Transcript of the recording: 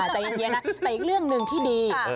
ใจเย็นนะแต่อีกเรื่องหนึ่งที่ดี